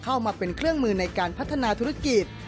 เข้ามาเป็นเครื่องมือในการพัฒนาธุรกิจ